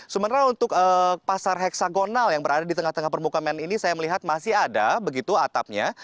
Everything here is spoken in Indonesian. sementara untuk pasar heksagonal yang berada di tengah tengah permukaan ini saya melihat masih ada begitu atapnya